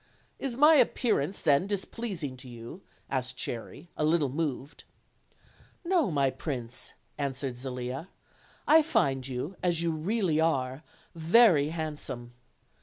"Is my appearance then displeasing to you?" asked Cherry, a little moved. "No, my prince," answered Zelia; "I find you, as you really are, very handsome.